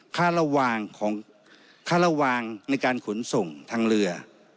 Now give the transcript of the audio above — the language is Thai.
ค่าระวางในการขุนส่งทางเรือ